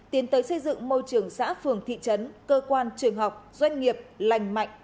tiến tới xây dựng môi trường xã phường thị trấn cơ quan trường học doanh nghiệp lành mạnh